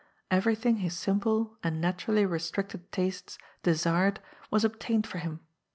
Everything his simple,' and naturally restricted, tastes de sired was obtained for him.